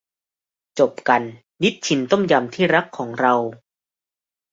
จบกัน นิชชินต้มยำที่รักของเรา